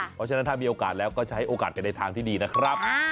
เพราะฉะนั้นถ้ามีโอกาสแล้วก็ใช้โอกาสไปในทางที่ดีนะครับ